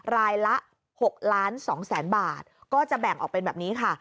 รายละ๖ล้าน๒แสนบาทก็จะแบ่งออกเป็นแบบนี้ค่ะ